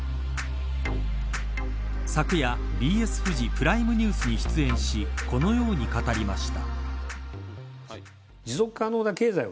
昨夜、ＢＳフジプライムニュースに出演しこのように語りました。